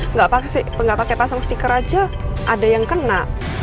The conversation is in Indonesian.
nggak pakai pasang stiker aja ada yang kena